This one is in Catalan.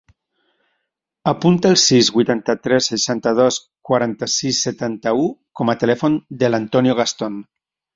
Apunta el sis, vuitanta-tres, seixanta-dos, quaranta-sis, setanta-u com a telèfon de l'Antonio Gaston.